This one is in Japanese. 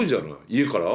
家から？